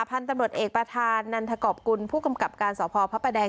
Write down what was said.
พันธุ์ตำรวจเอกประธานนันทกรอบกุลผู้กำกับการสพพระประแดง